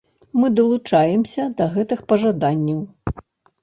Мы далучаемся да гэтых пажаданняў.